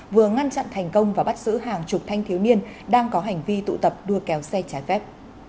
vừa ngăn chặn thành công và bắt giữ hàng chục thanh thiếu niên đang có hành vi tụ tập đua kéo xe trái phép